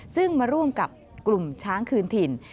ซึ่งมาร่วมกับกลุ่มช้างคืนถิ่น